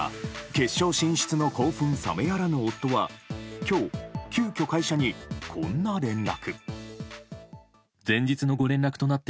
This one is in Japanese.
決勝進出の興奮冷めやらぬ夫は今日、急きょ会社にこんな連絡。